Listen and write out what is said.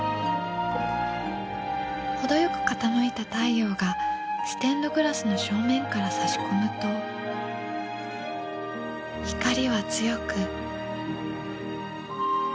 程よく傾いた太陽がステンドグラスの正面からさし込むと光は強く。